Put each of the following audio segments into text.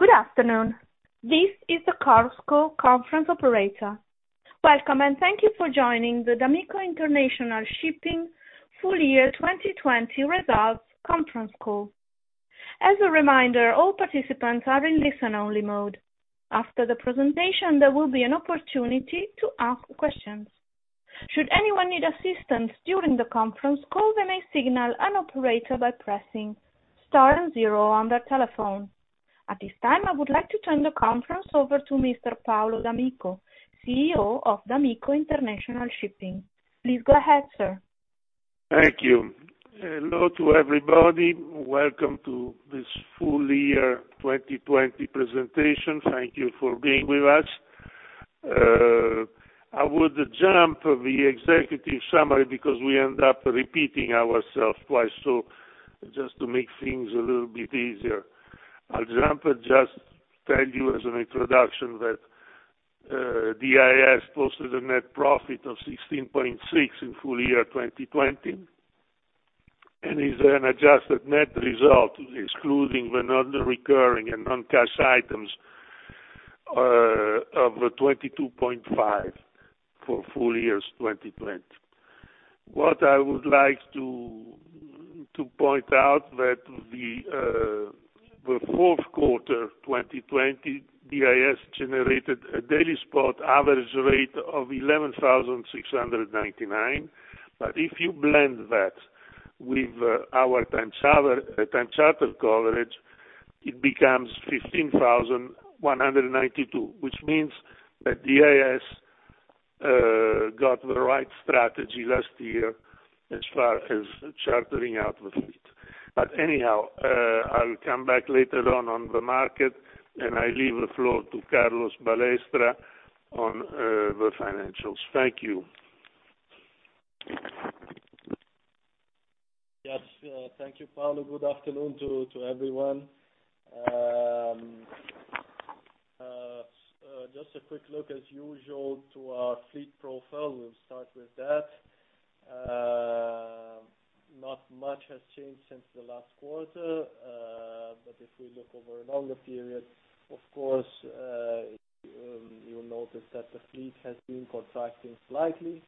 Good afternoon. This is the Chorus Call conference operator. Welcome, and thank you for joining the d'Amico International Shipping full year 2020 results conference call. As a reminder, all participants are in listen-only mode. After the presentation, there will be an opportunity to ask questions. Should anyone need assistance during the conference, call them a signal an operator by pressing star and zero on their telephone. At this time, I would like to turn the conference over to Mr. Paolo d'Amico, CEO of d'Amico International Shipping. Please go ahead, sir. Thank you. Hello to everybody. Welcome to this full year 2020 presentation. Thank you for being with us. I would jump the executive summary because we end up repeating ourselves twice. Just to make things a little bit easier, I'll jump and just tell you as an introduction that DIS posted a net profit of $16.6 in full year 2020, and is an adjusted net result, excluding the non-recurring and non-cash items, of $22.5 for full year 2020. What I would like to point out that the fourth quarter of 2020, DIS generated a daily spot average rate of $11,699. If you blend that with our time charter coverage, it becomes $15,192, which means that DIS got the right strategy last year as far as chartering out the fleet. Anyhow, I will come back later on the market, and I leave the floor to Carlos Balestra on the financials. Thank you. Yes. Thank you, Paolo. Good afternoon to everyone. Just a quick look as usual to our fleet profile. We'll start with that. Not much has changed since the last quarter. If we look over a longer period, of course, you'll notice that the fleet has been contracting slightly.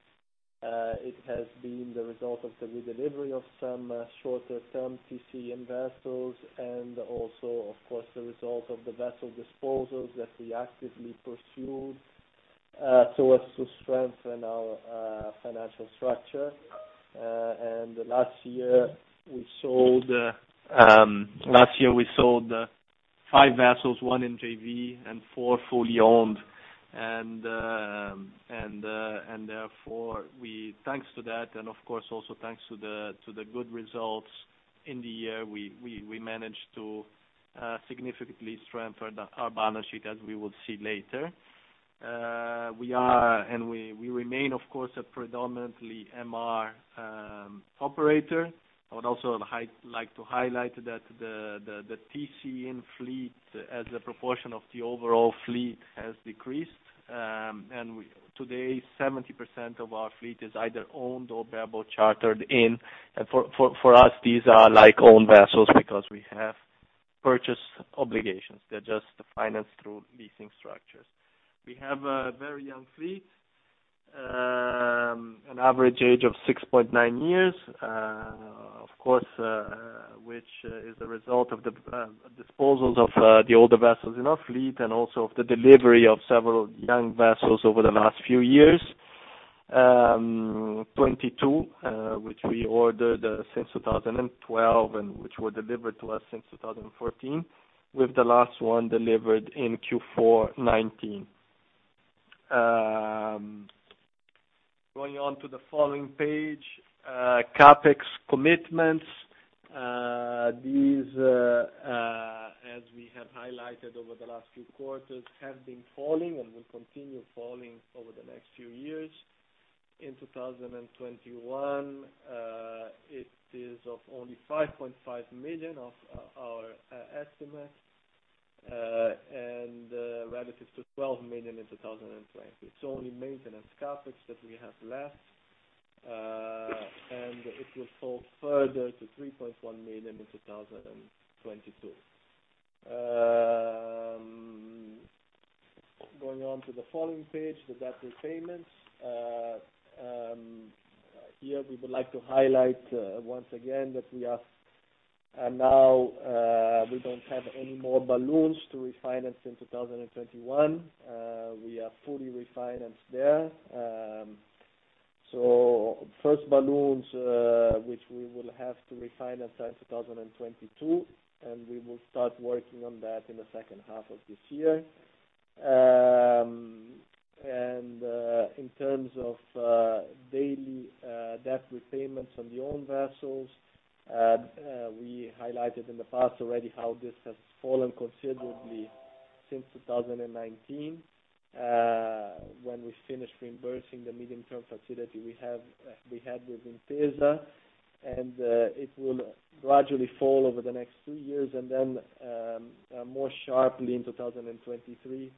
It has been the result of the redelivery of some shorter term TC in vessels, and also, of course, the result of the vessel disposals that we actively pursued so as to strengthen our financial structure. Last year, we sold five vessels, one in JV and four fully owned. Therefore, thanks to that, and of course, also thanks to the good results in the year, we managed to significantly strengthen our balance sheet, as we will see later. We are and we remain, of course, a predominantly MR operator. I would also like to highlight that the TC in fleet as a proportion of the overall fleet has decreased. Today, 70% of our fleet is either owned or bareboat chartered in. For us, these are like owned vessels because we have purchase obligations. They're just financed through leasing structures. We have a very young fleet, an average age of 6.9 years, of course, which is the result of the disposals of the older vessels in our fleet and also of the delivery of several young vessels over the last few years. 22, which we ordered since 2012 and which were delivered to us since 2014, with the last one delivered in Q4 2019. Going on to the following page, CapEx commitments. These, as we have highlighted over the last few quarters, have been falling and will continue falling over the next few years. In 2021, it is of only $5.5 million of our estimates, and relative to $12 million in 2020. It's only maintenance CapEx that we have left, and it will fall further to $3.1 million in 2022. Going on to the following page, the debt repayments. Here we would like to highlight, once again, that now we don't have any more balloons to refinance in 2021. We are fully refinanced there. First balloons, which we will have to refinance in 2022, and we will start working on that in the second half of this year. In terms of daily debt repayments on the owned vessels, we highlighted in the past already how this has fallen considerably since 2019, when we finished reimbursing the medium-term facility we had with Intesa, and it will gradually fall over the next two years, and then more sharply in 2023.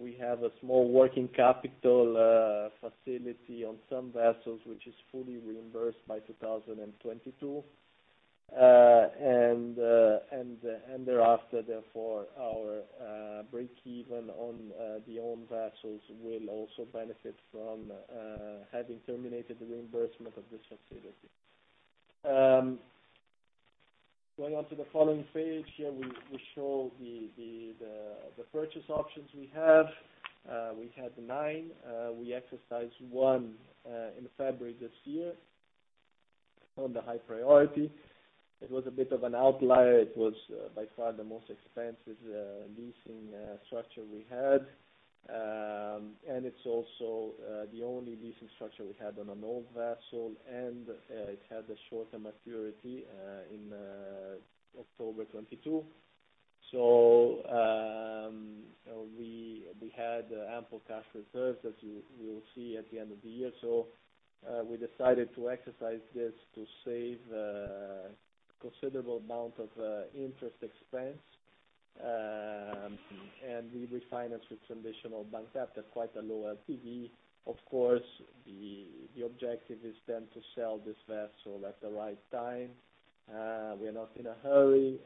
We have a small working capital facility on some vessels, which is fully reimbursed by 2022. Thereafter, therefore, our break-even on the owned vessels will also benefit from having terminated the reimbursement of this facility. Going on to the following page, here we show the purchase options we have. We had nine. We exercised one in February this year on the High Priority. It was a bit of an outlier. It was by far the most expensive leasing structure we had. It's also the only leasing structure we had on an old vessel, and it had a shorter maturity in October 2022. We had ample cash reserves, as you will see at the end of the year. We decided to exercise this to save a considerable amount of interest expense, and we refinanced with traditional bank debt at quite a low LTV. Of course, the objective is then to sell this vessel at the right time. We are not in a hurry.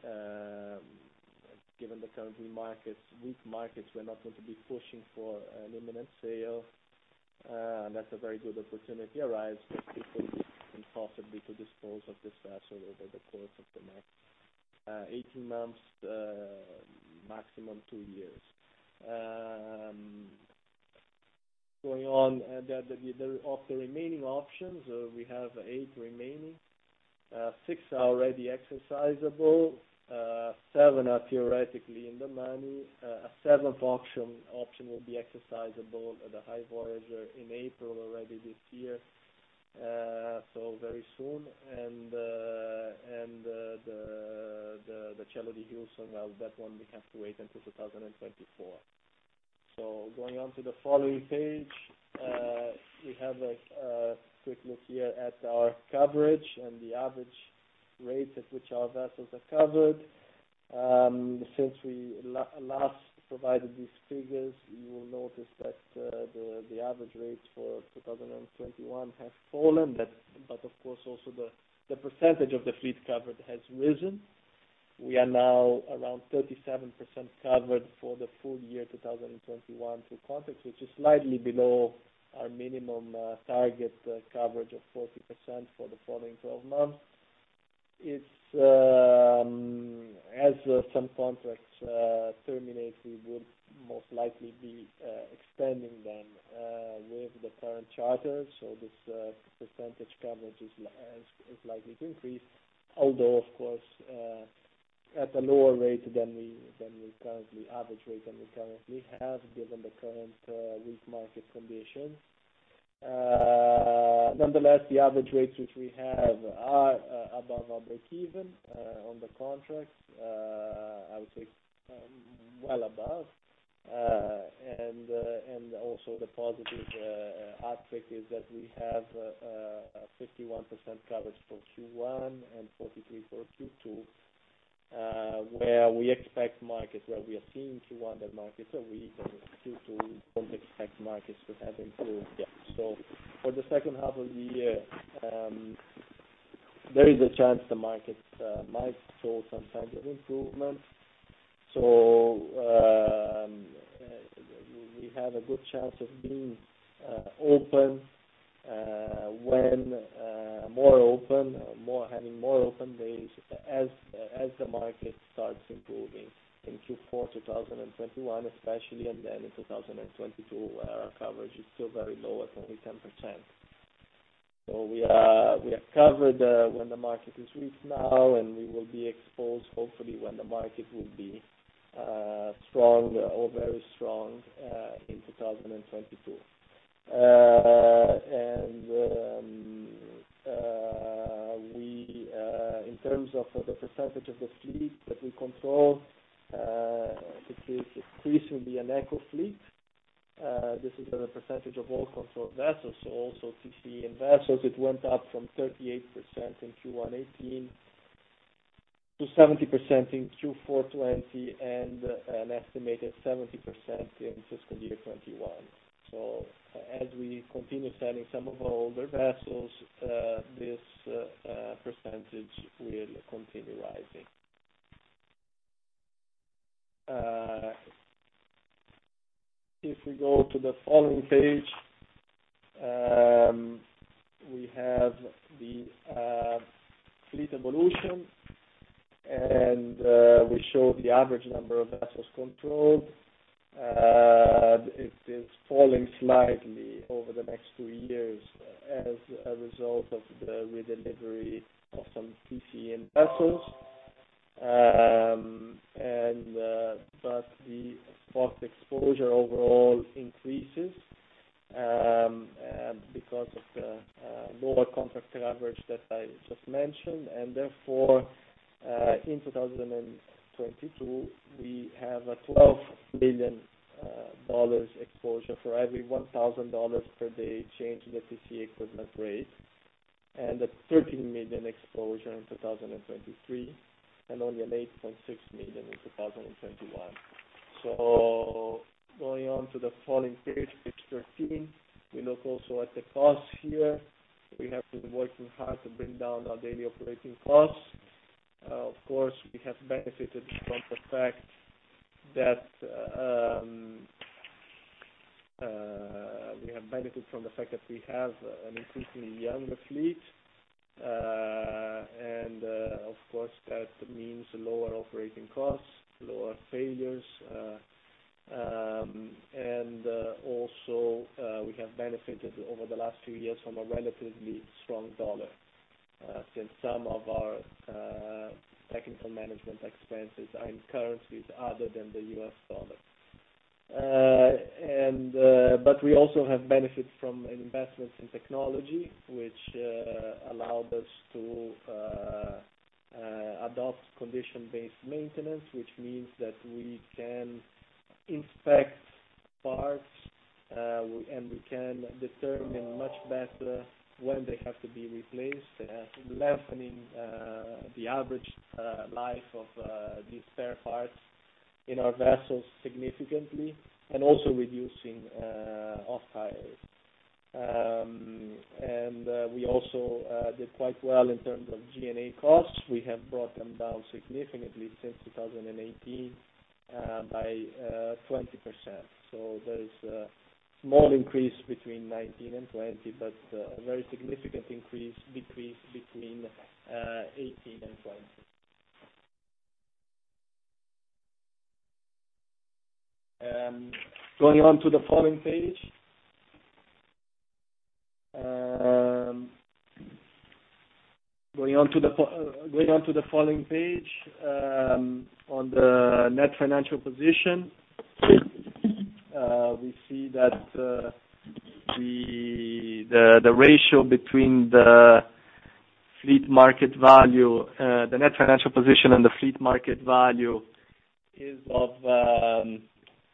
Given the current weak markets, we're not going to be pushing for an imminent sale, unless a very good opportunity arrives, and possibly to dispose of this vessel over the course of the next 18 months, maximum two years. Going on, of the remaining options, we have eight remaining. Six are already exercisable. Seven are theoretically in the money. A seventh option will be exercisable at the High Voyager in April already this year, so very soon. The Cielo di Hanoi, well, that one we have to wait until 2024. Going on to the following page, we have a quick look here at our coverage and the average rate at which our vessels are covered. Since we last provided these figures, you will notice that the average rates for 2021 have fallen. Of course, also the percentage of the fleet covered has risen. We are now around 37% covered for the full year 2021 through contracts, which is slightly below our minimum target coverage of 40% for the following 12 months. As some contracts terminate, we would most likely be extending them with the current charter. This percentage coverage is likely to increase, although, of course, at a lower rate than the current average rate that we currently have, given the current weak market condition. Nonetheless, the average rates which we have are above our break-even on the contracts. I would say well above. Also the positive aspect is that we have a 51% coverage for Q1 and 43% for Q2, where we expect markets, where we are seeing Q1 the markets are weak, and Q2 we don't expect markets to have improved yet. For the second half of the year, there is a chance the markets might show some signs of improvement. We have a good chance of being open when more open, having more open days as the market starts improving in Q4 2021 especially, and then in 2022, where our coverage is still very low at only 10%. We are covered when the market is weak now, and we will be exposed, hopefully, when the market will be strong or very strong in 2022. In terms of the percentage of the fleet that we control it is increasingly an ECO fleet. This is as a percentage of all controlled vessels, so also TC in vessels. It went up from 38% in Q1 2018 to 70% in Q4 2020, and an estimated 70% in FY 2021. As we continue selling some of our older vessels, this percentage will continue rising. If we go to the following page, we have the fleet evolution, and we show the average number of vessels controlled. It is falling slightly over the next two years as a result of the redelivery of some TC in vessels. The spot exposure overall increases because of lower contracted average that I just mentioned. Therefore, in 2022, we have a $12 billion exposure for every $1,000 per day change in the TCE equivalent rate. A $13 million exposure in 2023, and only an $8.6 million in 2021. Going on to the following page 13. We look also at the cost here. We have been working hard to bring down our daily operating costs. Of course, we have benefited from the fact that we have an increasingly younger fleet. Of course, that means lower operating costs, lower failures. Also, we have benefited over the last few years from a relatively strong dollar, since some of our technical management expenses are in currencies other than the US dollar. We also have benefited from investments in technology, which allowed us to adopt condition-based maintenance, which means that we can inspect parts, and we can determine much better when they have to be replaced, thus lengthening the average life of these spare parts in our vessels significantly, and also reducing off-hire. We also did quite well in terms of G&A costs. We have brought them down significantly since 2018 by 20%. There is a small increase between 2019 and 2020, but a very significant decrease between 2018 and 2020. Going on to the following page. On the net financial position, we see that the ratio between the net financial position and the fleet market value is of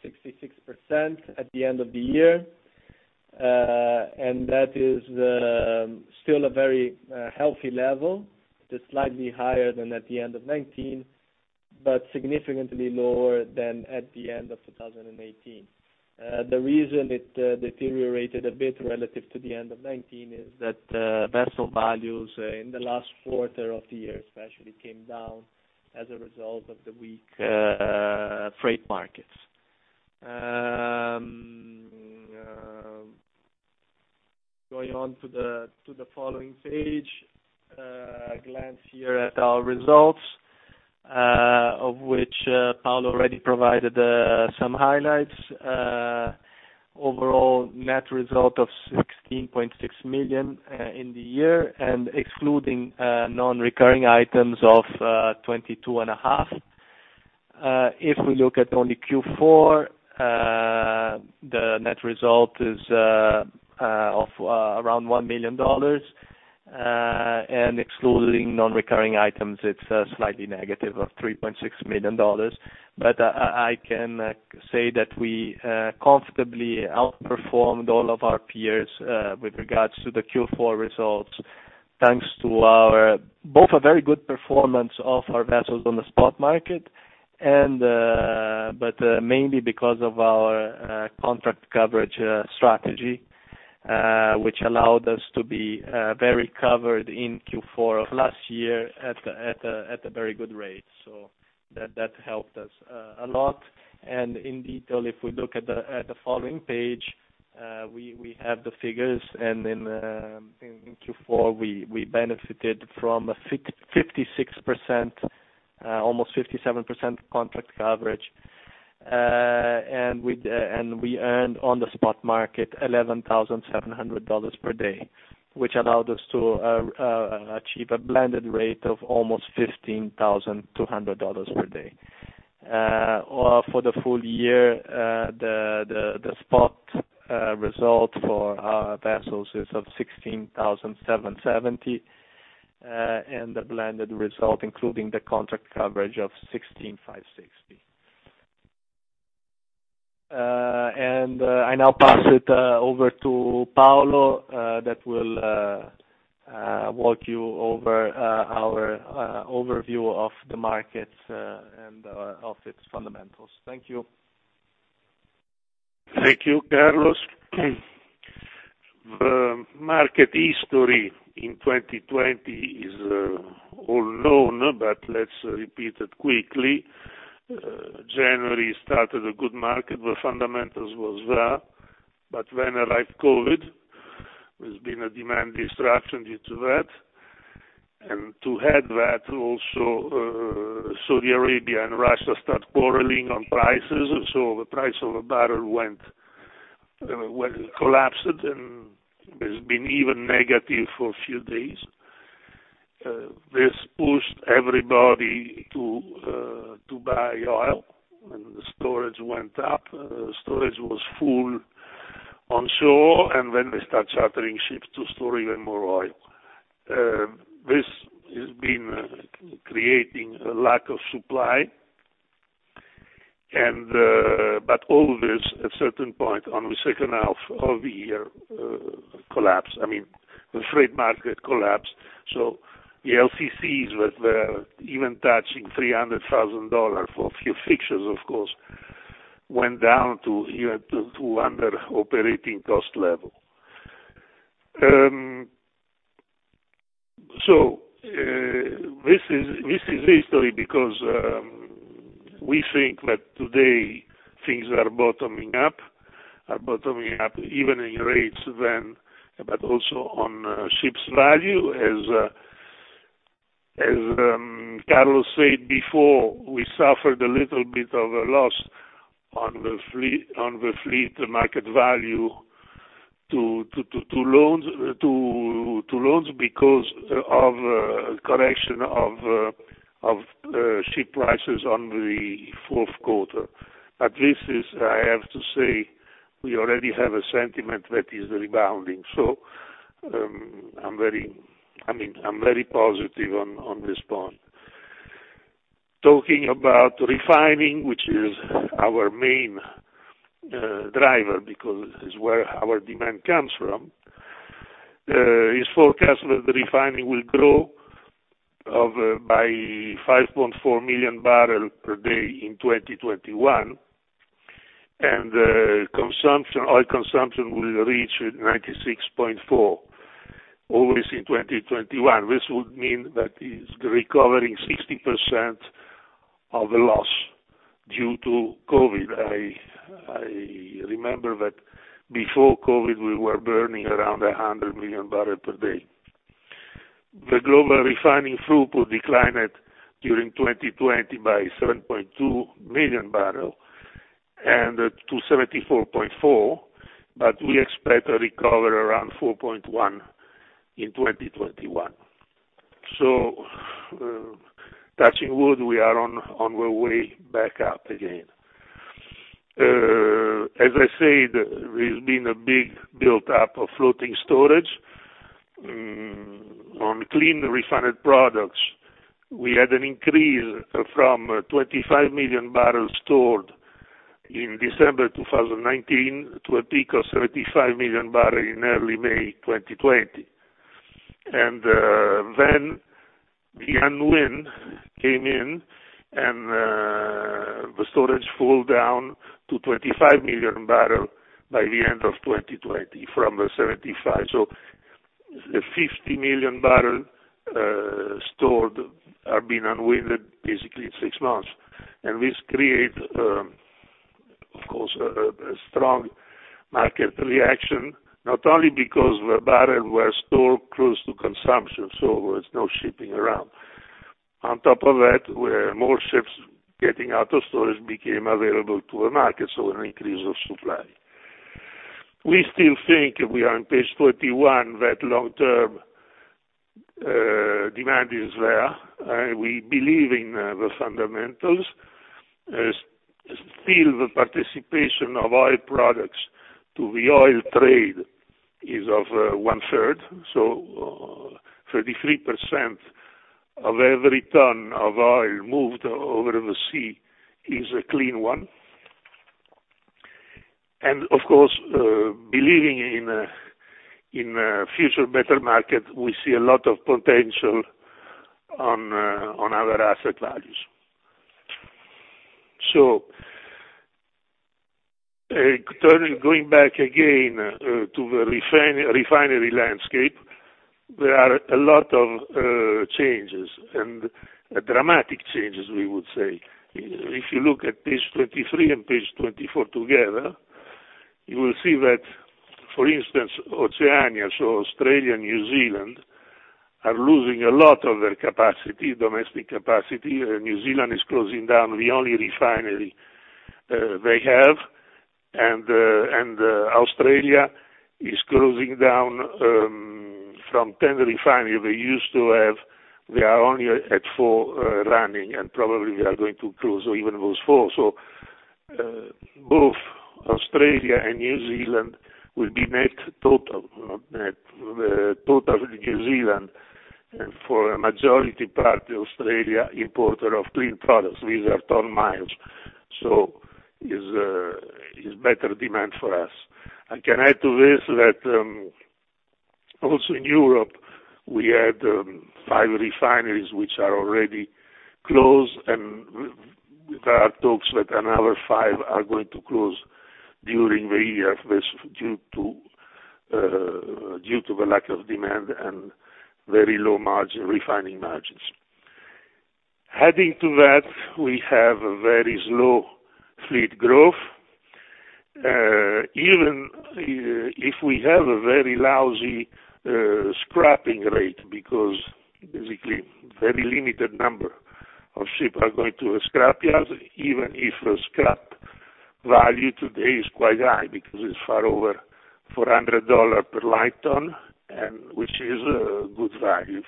66% at the end of the year. That is still a very healthy level, just slightly higher than at the end of 2019, but significantly lower than at the end of 2018. The reason it deteriorated a bit relative to the end of 2019 is that vessel values in the last quarter of the year especially, came down as a result of the weak freight markets. Going on to the following page. A glance here at our results, of which Paolo already provided some highlights. Overall net result of $16.6 million in the year, excluding non-recurring items of $22.5 million. If we look at only Q4, the net result is of around $1 million, excluding non-recurring items, it's slightly negative of $3.6 million. I can say that we comfortably outperformed all of our peers with regards to the Q4 results, thanks to both a very good performance of our vessels on the spot market, mainly because of our contract coverage strategy, which allowed us to be very covered in Q4 of last year at a very good rate. That helped us a lot. In detail, if we look at the following page, we have the figures. In Q4, we benefited from a 56%, almost 57% contract coverage. We earned on the spot market $11,700 per day, which allowed us to achieve a blended rate of almost $15,200 per day. For the full year, the spot result for our vessels is of $16,770, and the blended result, including the contract coverage of $16,560. I now pass it over to Paolo, that will walk you over our overview of the markets and of its fundamentals. Thank you. Thank you, Carlos. The market history in 2020 is all known, but let's repeat it quickly. January started a good market. The fundamentals was there. When arrived COVID, there's been a demand disruption due to that. To add to that, also, Saudi Arabia and Russia start quarreling on prices. The price of a barrel collapsed, and has been even negative for a few days. This pushed everybody to buy oil, and the storage went up. Storage was full on shore, and then they start chartering ships to store even more oil. This has been creating a lack of supply. All this, at a certain point on the second half of the year, collapsed. The freight market collapsed, so VLCCs, were even touching $300,000 for a few fixtures, of course, went down to under operating cost level. This is history because we think that today things are bottoming up, even in rates, but also on ships value. As Carlos said before, we suffered a little bit of a loss on the fleet market value to loans because of correction of ship prices on the fourth quarter. This is, I have to say, we already have a sentiment that is rebounding. I'm very positive on this point. Talking about refining, which is our main driver because it's where our demand comes from. It's forecasted that refining will grow by 5.4 million barrel per day in 2021. Oil consumption will reach 96.4, always in 2021. This would mean that it's recovering 60% of the loss due to COVID. I remember that before COVID, we were burning around 100 million barrel per day. The global refining throughput declined during 2020 by 7.2 million barrels and to 74.4. We expect a recovery around 4.1 in 2021. Touching wood, we are on our way back up again. As I said, there's been a big buildup of floating storage. On clean refined products, we had an increase from 25 million barrels stored in December 2019 to a peak of 75 million barrels in early May 2020. The unwind came in, and the storage fell down to 25 million barrels by the end of 2020 from the 75. The 50 million barrels stored are being unwound basically in six months. This created, of course, a strong market reaction, not only because the barrels were stored close to consumption, so there was no shipping around. On top of that, where more ships getting out of storage became available to the market, so an increase of supply. We still think we are on page 41, that long-term demand is there. We believe in the fundamentals. The participation of oil products to the oil trade is of one third. 33% of every ton of oil moved over the sea is a clean one. Of course, believing in future better market, we see a lot of potential on our asset values. Going back again to the refinery landscape, there are a lot of changes, and dramatic changes, we would say. If you look at page 23 and page 24 together, you will see that, for instance, Oceania, so Australia, New Zealand, are losing a lot of their capacity, domestic capacity. New Zealand is closing down the only refinery they have. Australia is closing down from 10 refinery they used to have. They are only at four running, and probably they are going to close even those four. Both Australia and New Zealand will be net total. Net total New Zealand, and for a majority part, Australia importer of clean products. It's better demand for us. I can add to this that, also in Europe, we had five refineries which are already closed, and there are talks that another five are going to close during the year. This due to the lack of demand and very low margin refining margins. Adding to that, we have a very slow fleet growth. Even if we have a very lousy scrapping rate, because basically very limited number of ship are going to a scrap yard, even if the scrap value today is quite high because it's far over $400 per light ton, and which is a good value.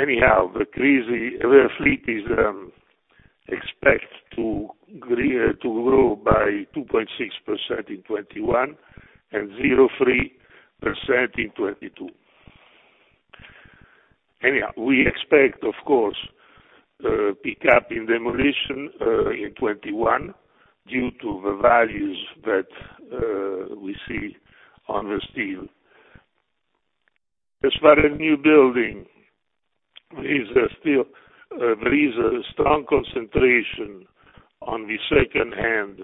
Anyhow, the fleet is expect to grow by 2.6% in 2021 and 0.3% in 2022. Anyhow, we expect, of course, pick up in demolition in 2021 due to the values that we see on the steel. As far as new building, there is a strong concentration on the secondhand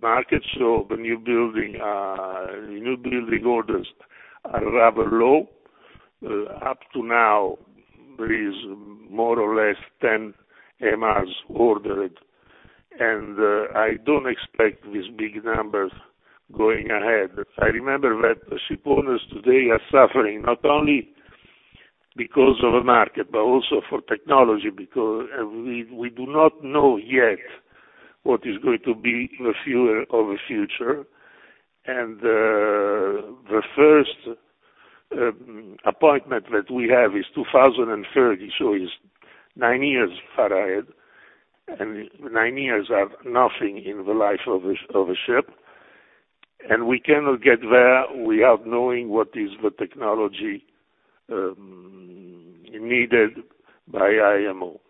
market. The new building orders are rather low. Up to now, there is more or less 10 MRs ordered, and I don't expect these big numbers going ahead. I remember that ship owners today are suffering, not only because of the market, but also for technology, because we do not know yet what is going to be in the near of the future. The first appointment that we have is 2030, so it's nine years far ahead, and nine years are nothing in the life of a ship. We cannot get there without knowing what is the technology needed by IMO.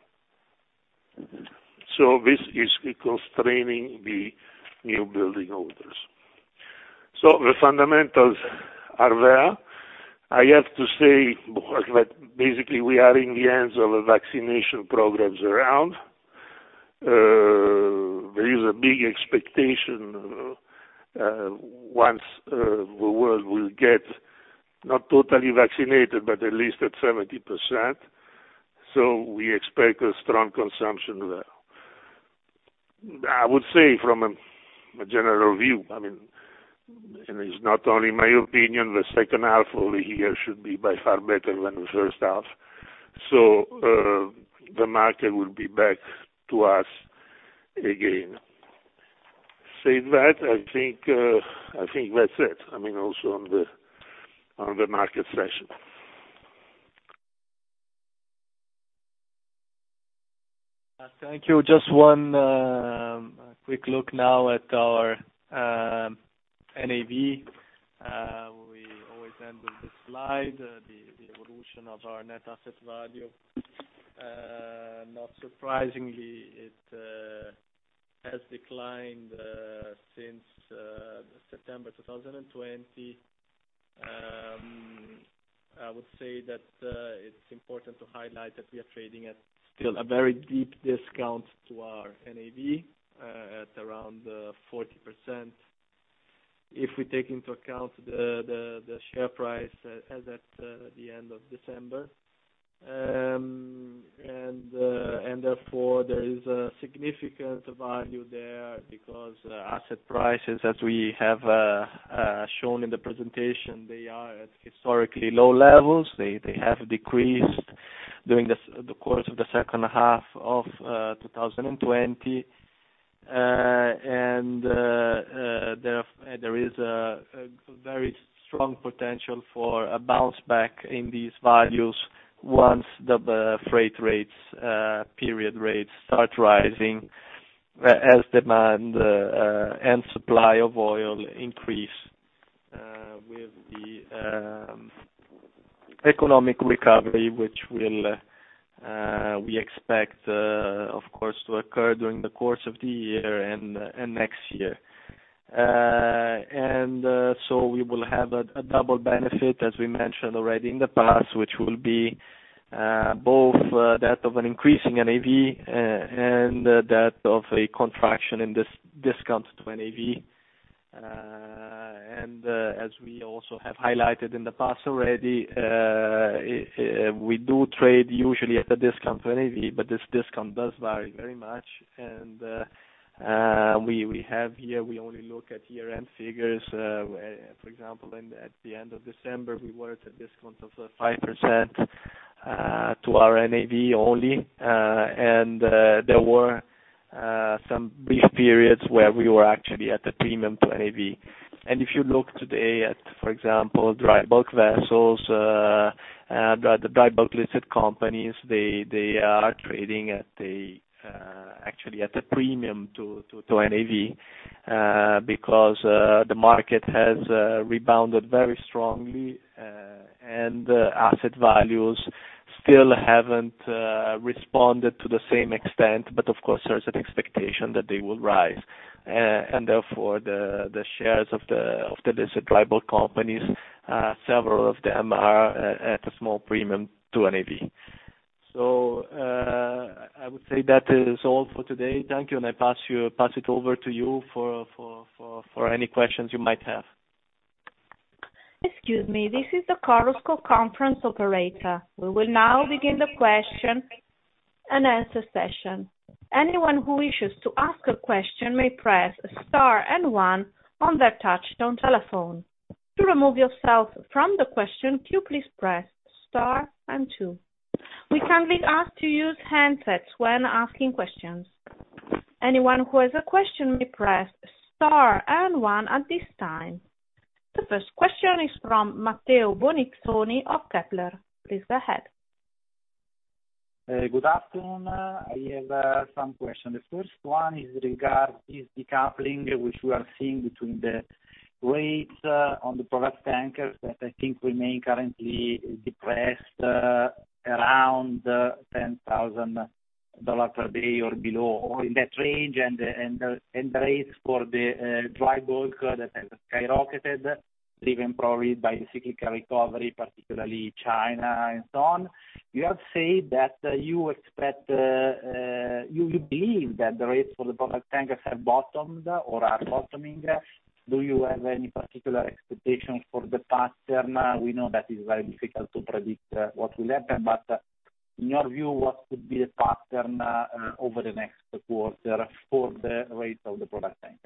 This is constraining the new building orders. The fundamentals are there. I have to say that basically we are in the end of the vaccination programs around. There is a big expectation once the world will get, not totally vaccinated, but at least at 70%. We expect a strong consumption there. I would say from a general view, it's not only my opinion, the second half over here should be by far better than the first half. The market will be back to us again. Saying that, I think that's it, also on the market session. Thank you. Just one quick look now at our NAV. We always end with this slide, the evolution of our net asset value. Not surprisingly, it has declined since September 2020. I would say that it is important to highlight that we are trading at still a very deep discount to our NAV, at around 40%, if we take into account the share price as at the end of December. Therefore, there is a significant value there because asset prices, as we have shown in the presentation, they are at historically low levels. They have decreased during the course of the second half of 2020. There is a very strong potential for a bounce back in these values once the freight rates, period rates, start rising, as demand and supply of oil increase with the economic recovery, which we expect, of course, to occur during the course of the year and next year. We will have a double benefit, as we mentioned already in the past, which will be both that of an increasing NAV and that of a contraction in this discount to NAV. As we also have highlighted in the past already, we do trade usually at a discount to NAV, but this discount does vary very much. We have here, we only look at year-end figures. For example, at the end of December, we were at a discount of 5% to our NAV only. There were some brief periods where we were actually at a premium to NAV. If you look today at, for example, dry bulk vessels, the dry bulk listed companies, they are trading actually at a premium to NAV, because the market has rebounded very strongly, and asset values still haven't responded to the same extent. Of course, there is an expectation that they will rise. Therefore, the shares of the listed dry bulk companies, several of them are at a small premium to NAV. I would say that is all for today. Thank you, and I pass it over to you for any questions you might have. We will now begin the question-and-answer session. Anyone who wishes to ask a question may press star and one on their touchtone telephone. To remove yourself from the question queue, please press star and two. We kindly ask to use handsets when asking questions. Anyone who has a question may press star and one at this time. The first question is from Matteo Bonizzoni of Kepler. Please go ahead. Good afternoon. I have some questions. The first one is regarding decoupling, which we are seeing between the rates on the product tankers that I think remain currently depressed around $10,000 per day or below, or in that range, and the rates for the dry bulk that have skyrocketed, driven probably by the cyclical recovery, particularly China and so on. You have said that you believe that the rates for the product tankers have bottomed or are bottoming. Do you have any particular expectations for the pattern? We know that is very difficult to predict what will happen, but in your view, what could be the pattern over the next quarter for the rates of the product tankers?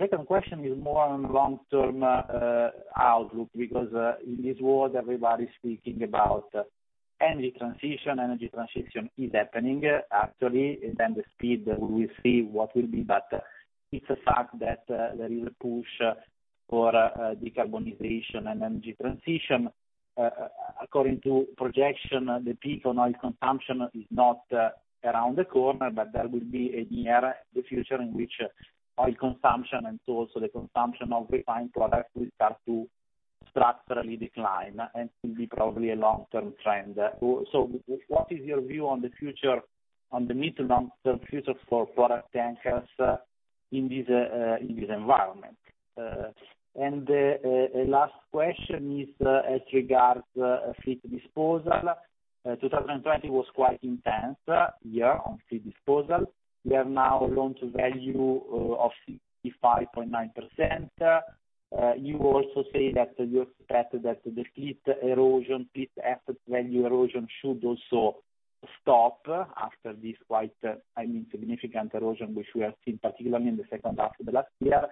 The second question is more on long-term outlook, because in this world, everybody's speaking about energy transition. Energy transition is happening, actually, and then the speed, we will see what will be. It's a fact that there is a push for decarbonization and energy transition. According to projection, the peak on oil consumption is not around the corner, that will be near the future in which oil consumption, also the consumption of refined products, will start to structurally decline and will be probably a long-term trend. What is your view on the midterm, long-term future for product tankers in this environment? A last question is as regards fleet disposal. 2020 was quite intense year on fleet disposal. You have now loan to value of 65.9%. You also say that you expect that the fleet erosion, fleet asset value erosion should also stop after this quite significant erosion, which we have seen particularly in the second half of the last year.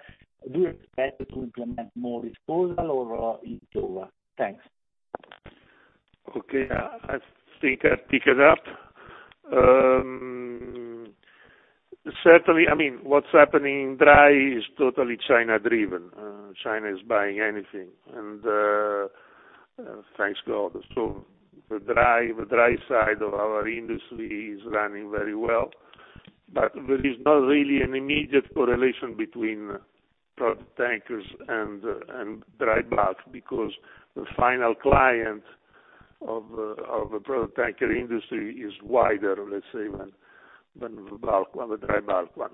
Do you expect to implement more disposal or into? Thanks. Okay. I think I pick it up. Certainly, what's happening in dry is totally China-driven. China is buying anything, and thanks God. The dry side of our industry is running very well, but there is not really an immediate correlation between product tankers and dry bulk, because the final client of a product tanker industry is wider, let's say, than the dry bulk one.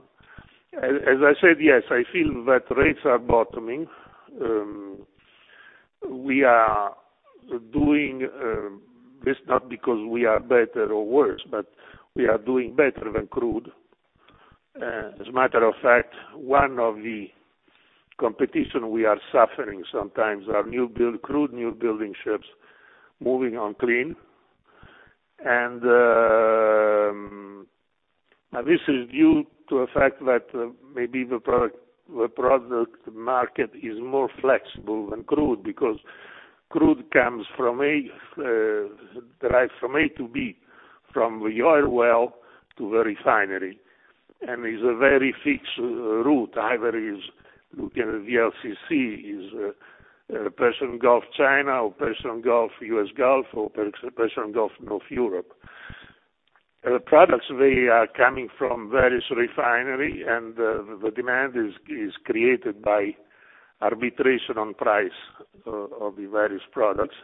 I said, yes, I feel that rates are bottoming. We are doing this not because we are better or worse, but we are doing better than crude. As a matter of fact, one of the competition we are suffering sometimes are crude new building ships moving on clean, and now this is due to a fact that maybe the product market is more flexible than crude, because crude derives from A to B, from the oil well to the refinery, and is a very fixed route. Either is looking at the VLCC, is Persian Gulf, China, or Persian Gulf, U.S. Gulf, or Persian Gulf, North Europe. Products, they are coming from various refinery, and the demand is created by arbitration on price of the various products.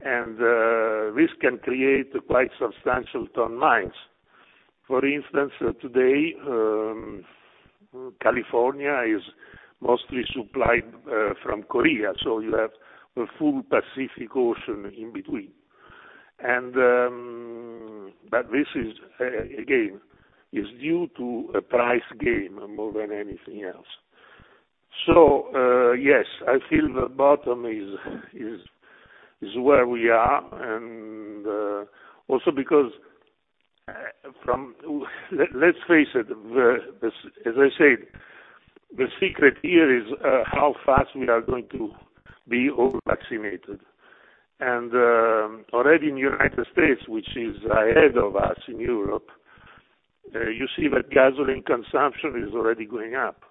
This can create quite substantial ton-miles. For instance, today, California is mostly supplied from Korea, so you have the full Pacific Ocean in between. This, again, is due to a price game more than anything else. Yes, I feel the bottom is where we are, and also because let's face it, as I said, the secret here is how fast we are going to be over-vaccinated. Already in United States, which is ahead of us in Europe, you see that gasoline consumption is already going up.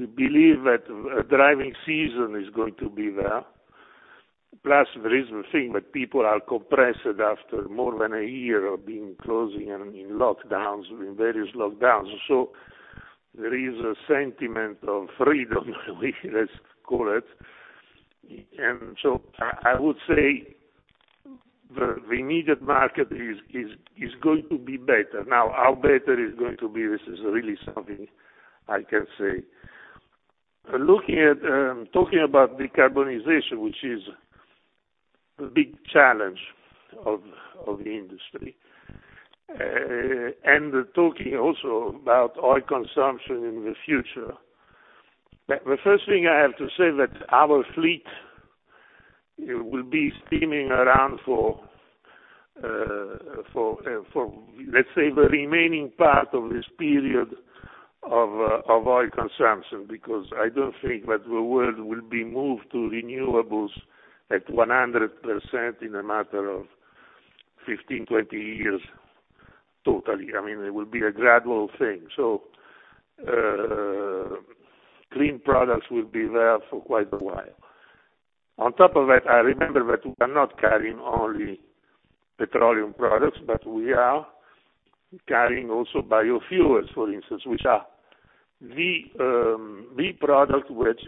We believe that driving season is going to be there. Plus, there is the thing that people are compressed after more than a year of being closing and in lockdowns, in various lockdowns. There is a sentiment of freedom let's call it. I would say the immediate market is going to be better. Now, how better is going to be, this is really something I can't say. Talking about decarbonization, which is a big challenge of the industry, and talking also about oil consumption in the future, the first thing I have to say that our fleet will be steaming around for, let's say, the remaining part of this period of oil consumption, because I don't think that the world will be moved to renewables at 100% in a matter of 15, 20 years totally. It will be a gradual thing. Clean products will be there for quite a while. On top of that, I remember that we are not carrying only petroleum products, but we are carrying also biofuels, for instance, which are the product which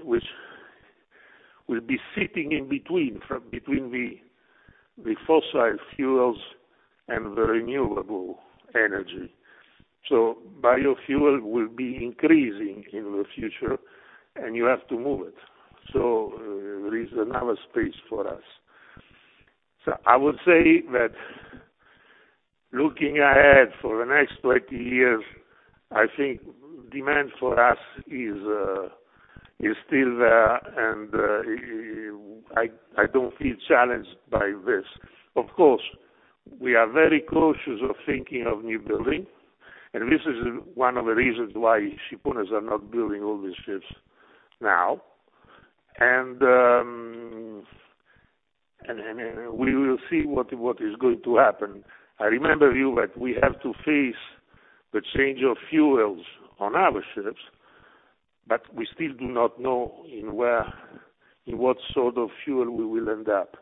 will be sitting in between the fossil fuels and the renewable energy. Biofuel will be increasing in the future, and you have to move it. There is another space for us. I would say that looking ahead for the next 20 years, I think demand for us is still there, and I don't feel challenged by this. Of course, we are very cautious of thinking of new building, and this is one of the reasons why shipowners are not building all these ships now. We will see what is going to happen. I remind you that we have to face the change of fuels on our ships, but we still do not know in what sort of fuel we will end up.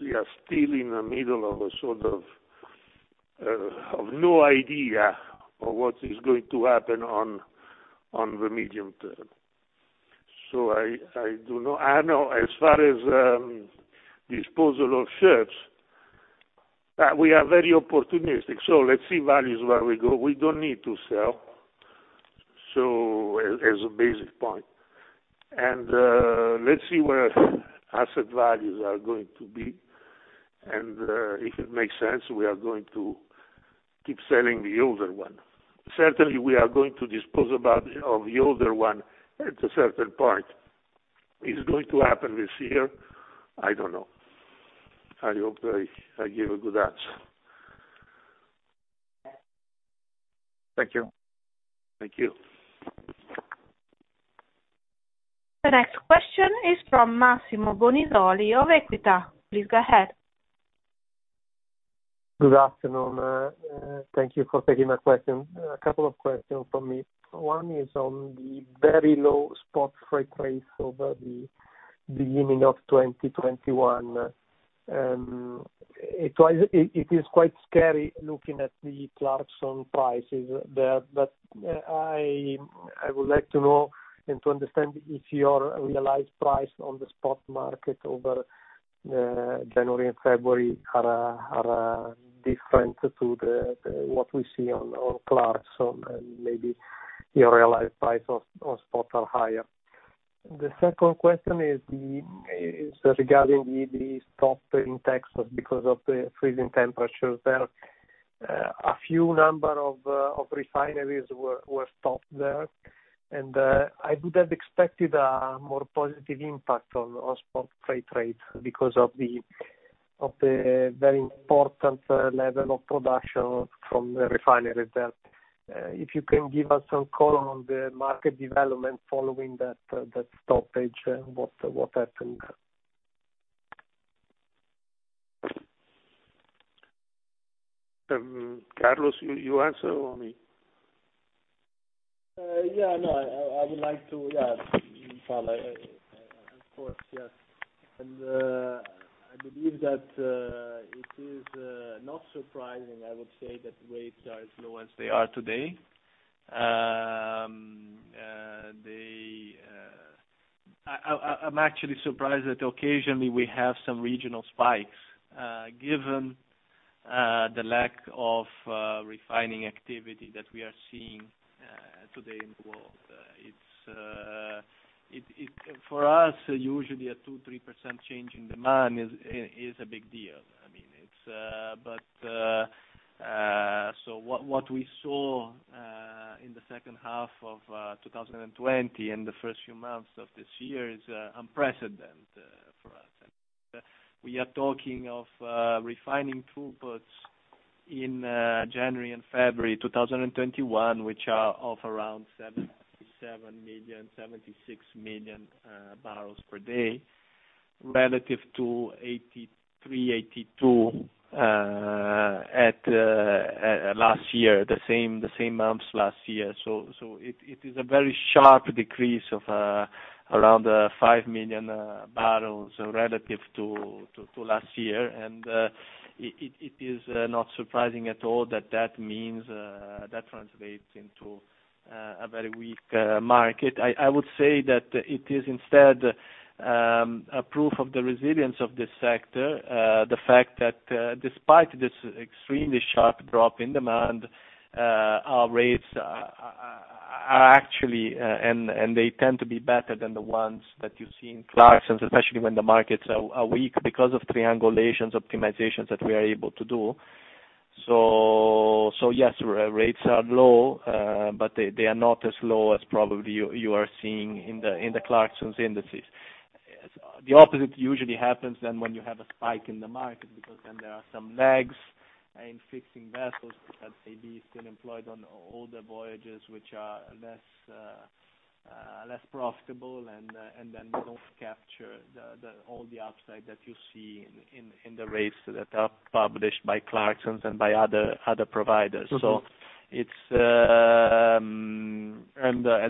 We are still in the middle of no idea of what is going to happen on the medium term. I don't know. As far as disposal of ships, we are very opportunistic. Let's see values where we go. We don't need to sell, as a basic point. Let's see where asset values are going to be. If it makes sense, we are going to keep selling the older one. Certainly, we are going to dispose of the older one at a certain point. Is it going to happen this year? I don't know. I hope I give a good answer. Thank you. Thank you. The next question is from Massimo Bonisoli of Equita. Please go ahead. Good afternoon. Thank you for taking my question. A couple of questions from me. One is on the very low spot freight rates over the beginning of 2021. It is quite scary looking at the Clarksons prices there, but I would like to know and to understand if your realized price on the spot market over January and February are different to what we see on Clarksons, and maybe your realized price on spot are higher. The second question is regarding the stop in Texas because of the freezing temperatures there. A few number of refineries were stopped there, and I would have expected a more positive impact on spot freight rates because of the very important level of production from the refineries there. If you can give us some color on the market development following that stoppage, what happened there? Carlos, you answer or me? I would like to, of course, yes. I believe that it is not surprising, I would say, that rates are as low as they are today. I'm actually surprised that occasionally we have some regional spikes, given the lack of refining activity that we are seeing today in the world. For us, usually a 2%, 3% change in demand is a big deal. What we saw in the second half of 2020 and the first few months of this year is unprecedented for us. We are talking of refining throughputs in January and February 2021, which are of around 77 million, 76 million barrels per day, relative to 83, 82 at the same months last year. It is a very sharp decrease of around five million barrels relative to last year. It is not surprising at all that translates into a very weak market. I would say that it is instead a proof of the resilience of this sector, the fact that despite this extremely sharp drop in demand, our rates are actually, and they tend to be better than the ones that you see in Clarksons, especially when the markets are weak because of triangulations, optimizations that we are able to do. Yes, rates are low, but they are not as low as probably you are seeing in the Clarksons indices. The opposite usually happens then when you have a spike in the market, because then there are some lags in fixing vessels which have maybe been employed on older voyages which are less profitable and then don't capture all the upside that you see in the rates that are published by Clarksons and by other providers. As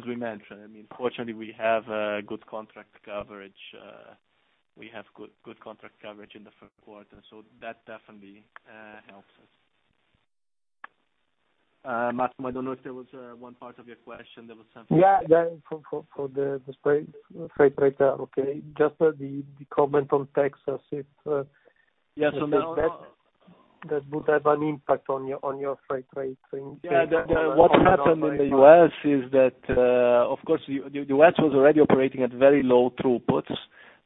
we mentioned, fortunately, we have good contract coverage in the first quarter, that definitely helps us. Massimo, I don't know if there was one part of your question. Yeah. For the freight rate. Okay. Just the comment on Texas. Yeah. That would have an impact on your freight rate. Yeah. What happened in the U.S. is that, of course, the U.S. was already operating at very low throughputs,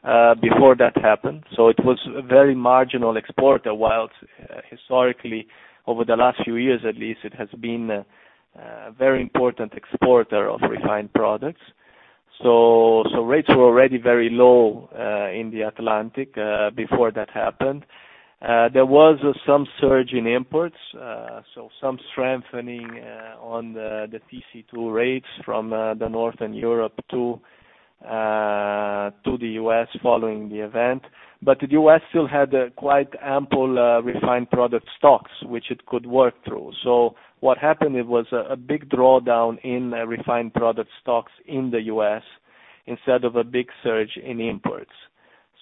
before that happened. It was a very marginal exporter, while historically, over the last few years at least, it has been a very important exporter of refined products. Rates were already very low in the Atlantic, before that happened. There was some surge in imports, so some strengthening on the TC2 rates from Northern Europe to the U.S. following the event. The U.S. still had quite ample refined product stocks, which it could work through. What happened, it was a big drawdown in refined product stocks in the U.S. instead of a big surge in imports.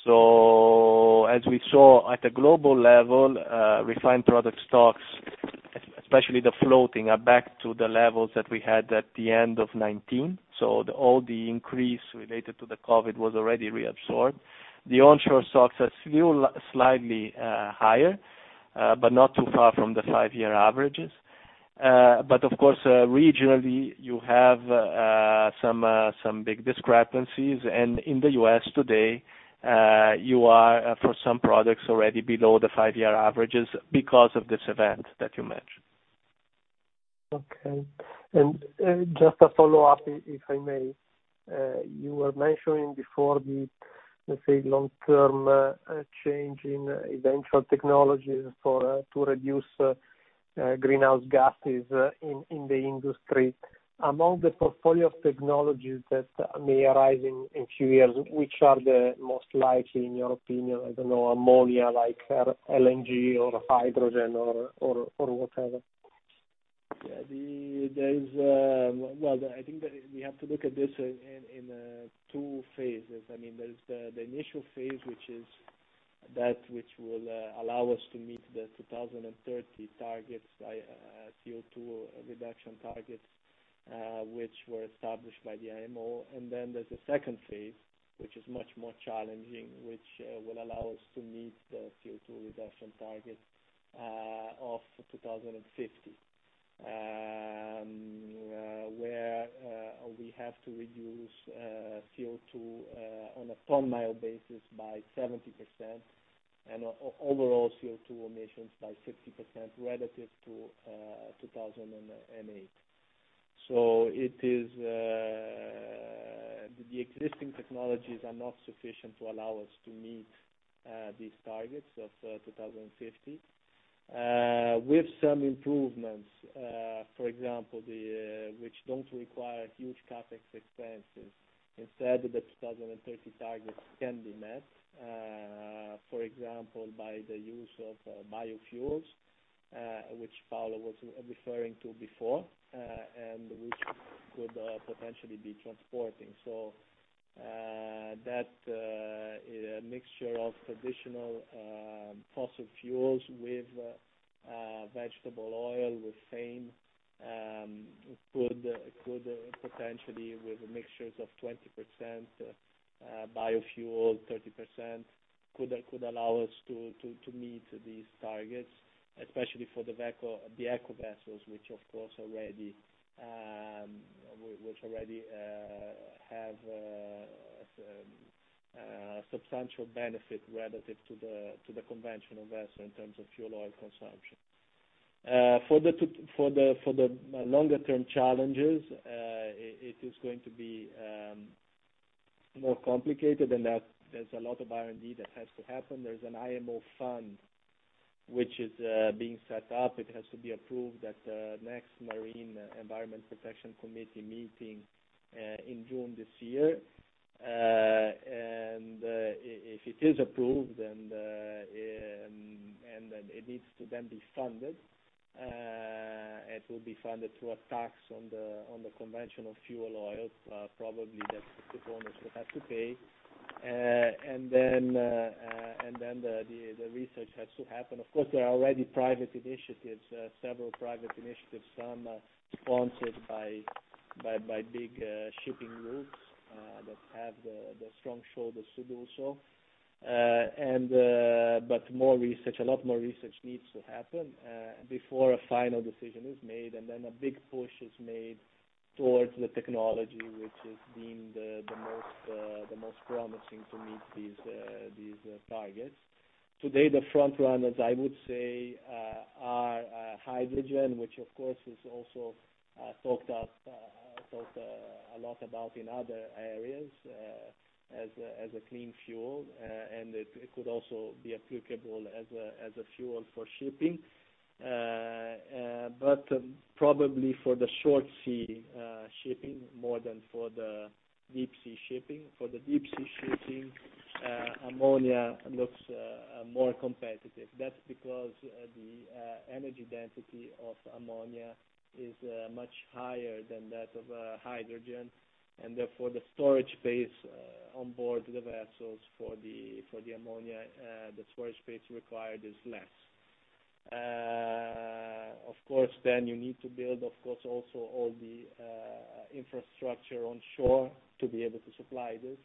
As we saw at a global level, refined product stocks, especially the floating, are back to the levels that we had at the end of 2019. All the increase related to the COVID was already reabsorbed. The onshore stocks are still slightly higher, but not too far from the five-year averages. Of course, regionally, you have some big discrepancies. In the U.S. today, you are, for some products, already below the five-year averages because of this event that you mentioned. Okay. Just a follow-up, if I may. You were mentioning before the, let's say, long-term change in eventual technologies to reduce greenhouse gases in the industry. Among the portfolio of technologies that may arise in few years, which are the most likely, in your opinion, I don't know, ammonia, like LNG or hydrogen or whatever? I think that we have to look at this in two phases. There's the initial phase, which is that which will allow us to meet the 2030 targets, CO2 reduction targets, which were established by the IMO. Then there's a second phase, which is much more challenging, which will allow us to meet the CO2 reduction target of 2050, where we have to reduce CO2, on a ton-mile basis, by 70%, and overall CO2 emissions by 50% relative to 2008. The existing technologies are not sufficient to allow us to meet these targets of 2050. With some improvements, for example, which don't require huge CapEx expenses, instead, the 2030 targets can be met, for example, by the use of biofuels, which Paolo was referring to before, and which we could potentially be transporting. That mixture of traditional fossil fuels with vegetable oil, with FAME, could potentially, with mixtures of 20% biofuel, 30%, could allow us to meet these targets, especially for the ECO vessels, which already have substantial benefit relative to the conventional vessel in terms of fuel oil consumption. For the longer-term challenges, it is going to be more complicated in that there's a lot of R&D that has to happen. There's an IMO fund which is being set up. It has to be approved at the next Marine Environment Protection Committee meeting in June this year. If it is approved, and then it needs to then be funded. It will be funded through a tax on the conventional fuel oils, probably, that the owners will have to pay. Then the research has to happen. Of course, there are already private initiatives, several private initiatives, some sponsored by big shipping routes, that have the strong shoulders to do so. A lot more research needs to happen, before a final decision is made, and then a big push is made towards the technology, which is deemed the most promising to meet these targets. Today, the front runners, I would say, are hydrogen, which of course is also talked a lot about in other areas, as a clean fuel, and it could also be applicable as a fuel for shipping. Probably for the short sea shipping more than for the deep sea shipping. For the deep sea shipping, ammonia looks more competitive. That's because the energy density of ammonia is much higher than that of hydrogen, and therefore the storage space on board the vessels for the ammonia, the storage space required is less. Of course, you need to build also all the infrastructure on shore to be able to supply this.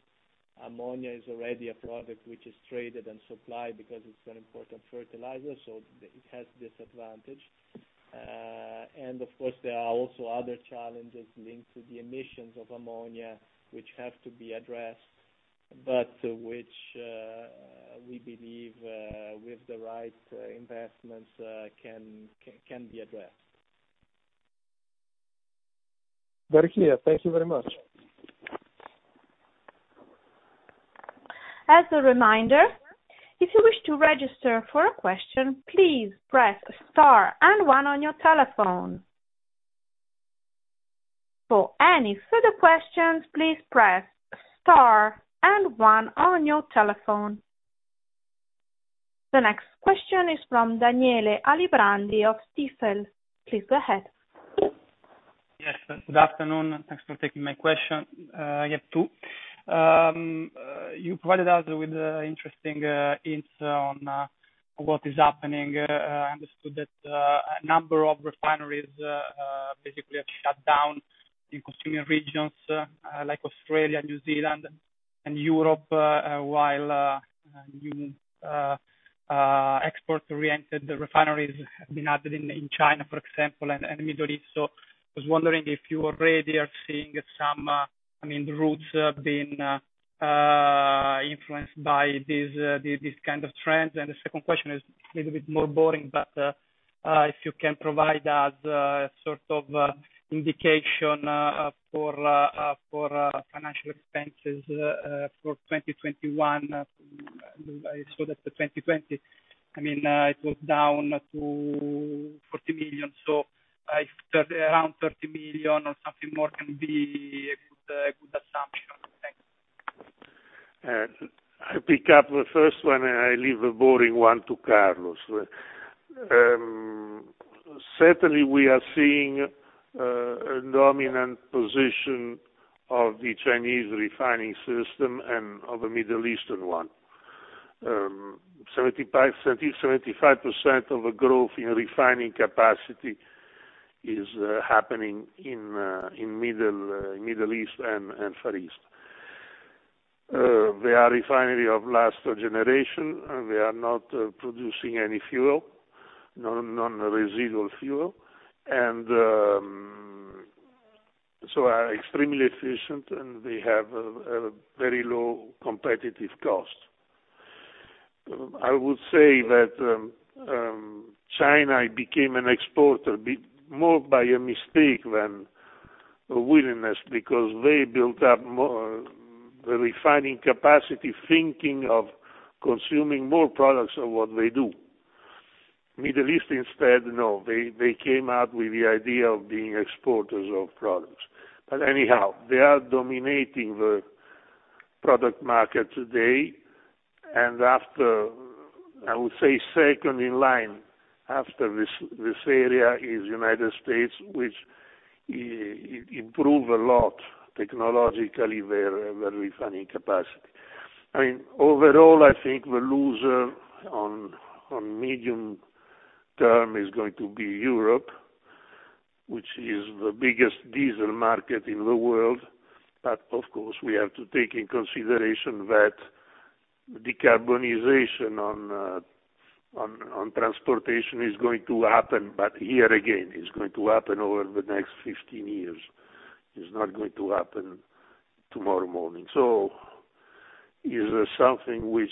Ammonia is already a product which is traded and supplied because it is an important fertilizer, so it has this advantage. Of course, there are also other challenges linked to the emissions of ammonia, which have to be addressed, but which, we believe, with the right investments, can be addressed. Very clear. Thank you very much. As a reminder, if you wish to register for a question, please press star and one on your telephone. For any further questions, please press star and one on your telephone. The next question is from Daniele Alibrandi of Stifel. Please go ahead. Yes. Good afternoon. Thanks for taking my question. I have two. You provided us with interesting insights on what is happening. I understood that a number of refineries basically have shut down in consuming regions like Australia, New Zealand, and Europe, while new export-oriented refineries have been added in China, for example, and the Middle East. I was wondering if you already are seeing the routes being influenced by these kind of trends. The second question is a little bit more boring, but if you can provide us a sort of indication for financial expenses for 2021. I saw that the 2020, it was down to $40 million. If around $30 million or something more can be a good assumption. Thanks. I pick up the first one, and I leave the boring one to Carlos. Certainly, we are seeing a dominant position of the Chinese refining system and of the Middle Eastern one. 75% of the growth in refining capacity is happening in Middle East and Far East. They are refinery of last generation. They are not producing any fuel, non-residual fuel. They are extremely efficient, and they have a very low competitive cost. I would say that China became an exporter more by a mistake than a willingness because they built up more refining capacity, thinking of consuming more products of what they do. Middle East, instead, no. They came out with the idea of being exporters of products. Anyhow, they are dominating the product market today. I would say second in line after this area is United States, which improved a lot technologically their refining capacity. Overall, I think the loser on medium term is going to be Europe, which is the biggest diesel market in the world. Of course, we have to take in consideration that decarbonization on transportation is going to happen. Here again, it's going to happen over the next 15 years. It's not going to happen tomorrow morning. It is something which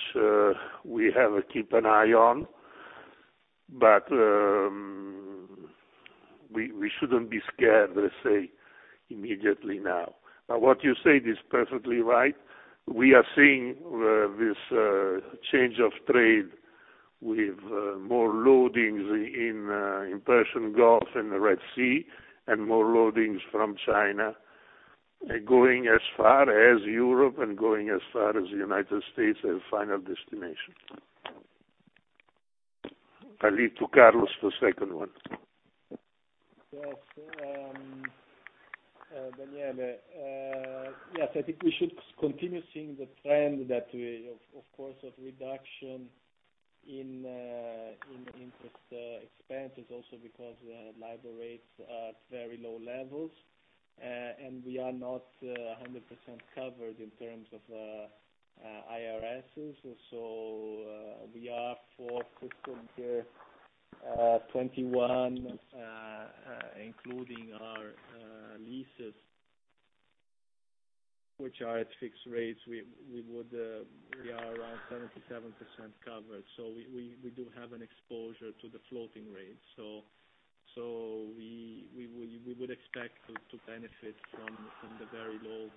we have to keep an eye on, but we shouldn't be scared, let's say, immediately now. What you said is perfectly right. We are seeing this change of trade with more loadings in Persian Gulf and the Red Sea, and more loadings from China going as far as Europe and going as far as the United States as final destination. I leave to Carlos the second one. Yes, Daniele. I think we should continue seeing the trend that of course, of reduction in interest expenses also because LIBOR rates are at very low levels. We are not 100% covered in terms of IRSs. We are, for fiscal year 2021, including our leases, which are at fixed rates, we are around 77% covered. We do have an exposure to the floating rates, so we would expect to benefit from the very low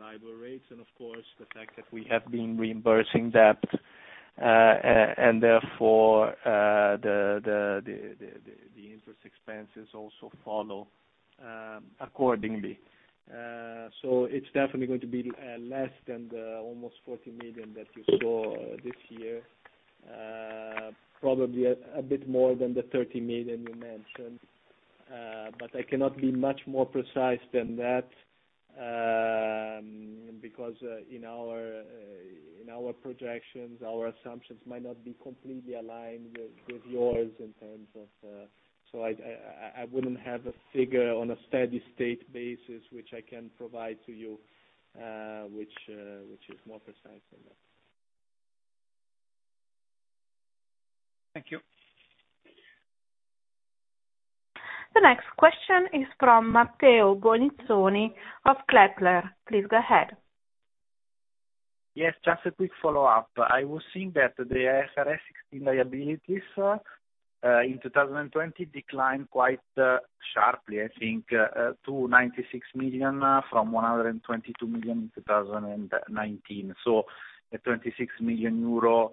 LIBOR rates. Of course, the fact that we have been reimbursing debt, and therefore, the interest expenses also follow accordingly. It's definitely going to be less than the almost $40 million that you saw this year. Probably a bit more than the $30 million you mentioned. I cannot be much more precise than that, because in our projections, our assumptions might not be completely aligned with yours. I wouldn't have a figure on a steady state basis, which I can provide to you, which is more precise than that. Thank you. The next question is from Matteo Bonizzoni of Kepler. Please go ahead. Yes, just a quick follow-up. I was seeing that the IFRS 16 liabilities in 2020 declined quite sharply, I think to $96 million from $122 million in 2019. So a 26 million euro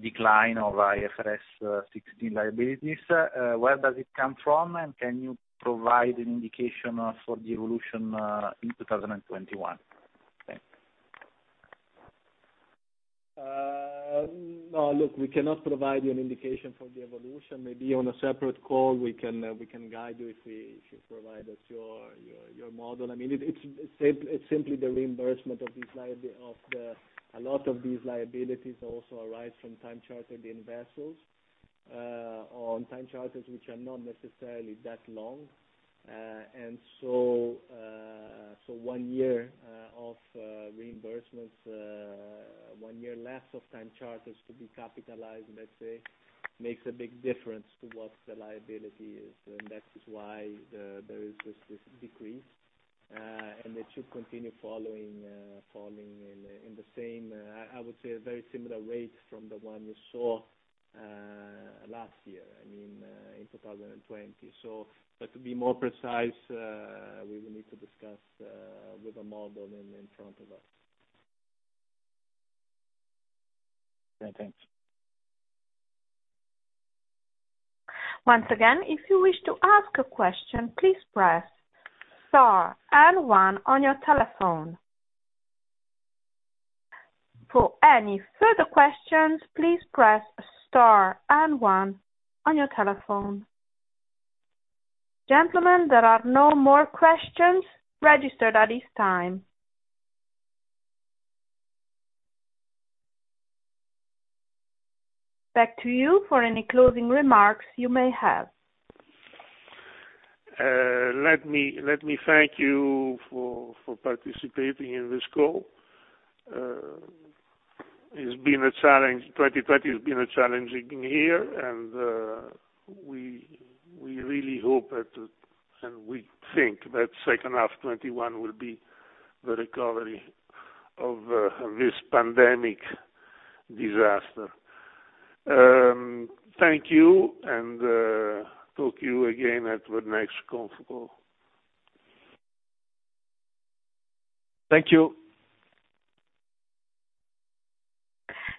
decline of IFRS 16 liabilities. Where does it come from, and can you provide an indication for the evolution in 2021? Thanks. No, look, we cannot provide you an indication for the evolution. Maybe on a separate call, we can guide you if you provide us your model. It's simply the reimbursement of these liabilities. A lot of these liabilities also arise from time chartered in vessels, on time charters which are not necessarily that long. One year of reimbursements, one year less of time charters to be capitalized, let's say, makes a big difference to what the liability is. That is why there is this decrease. It should continue falling in the same, I would say, a very similar rate from the one you saw last year, in 2020. But to be more precise, we will need to discuss with a model in front of us. Okay, thanks. Once again, if you wish to ask a question, please press star and one on your telephone. For any further questions, please press star and one on your telephone. Gentlemen, there are no more questions registered at this time. Back to you for any closing remarks you may have. Let me thank you for participating in this call. 2020 has been a challenging year, and we really hope that, and we think that second half 2021 will be the recovery of this pandemic disaster. Thank you, and talk to you again at the next conference call. Thank you.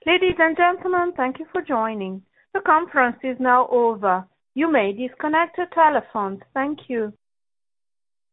Ladies and gentlemen, thank you for joining. The conference is now over. You may disconnect your telephone. Thank you.